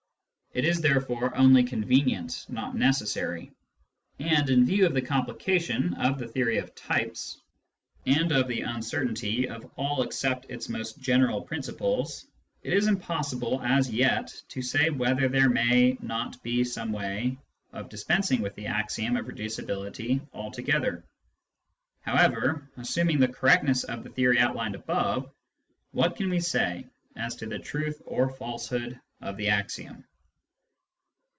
It is therefore only convenient, not necessary. And in view of the complication of the theory of types, and of the uncertainty of all except its most general principles, it is impossible as yet to say whether there may not be some way of dispensing with the axiom of reducibility altogether. However, assuming the correctness of the theory outlined above, what can we say as to the truth or falsehood of the axiom